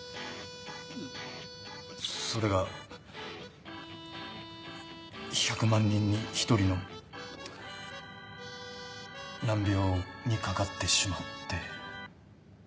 それが１００万人に１人の難病にかかってしまって。